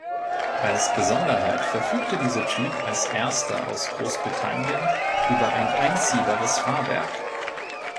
Als Besonderheit verfügte dieser Typ als erster aus Großbritannien über ein einziehbares Fahrwerk.